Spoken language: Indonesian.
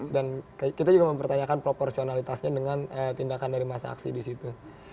dan kita juga mempertanyakan proporsionalitasnya dengan tindakan dari massa aksi di situ